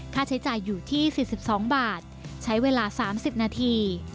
ค่าใช้จ่ายอยู่ที่๔๒บาทใช้เวลา๓๐นาที